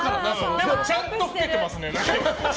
でも、ちゃんとなれてますね。